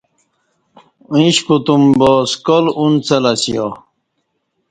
ایش کوتوم با سکال اونڅلہ اسیا